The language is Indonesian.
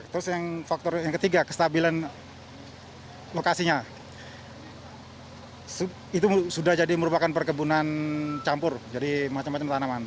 terus yang faktor yang ketiga kestabilan lokasinya itu sudah jadi merupakan perkebunan campur jadi macam macam tanaman